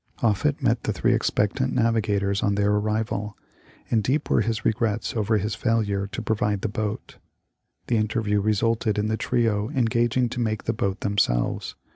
Offut met the three expectant naviga tors on their arrival, and deep were his regrets over his failure to provide the boat. The interview resulted in the trio engaging to make the boat themselves.